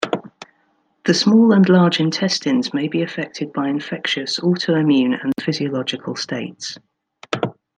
The small and large intestines may be affected by infectious, autoimmune, and physiological states.